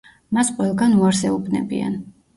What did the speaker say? მას ყველგან უარს ეუბნებიან.